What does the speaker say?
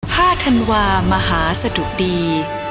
ห้าธันวามหาสดุดี